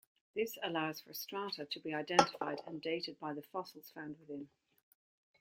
This allows for strata to be identified and dated by the fossils found within.